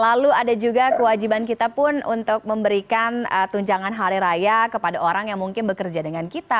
lalu ada juga kewajiban kita pun untuk memberikan tunjangan hari raya kepada orang yang mungkin bekerja dengan kita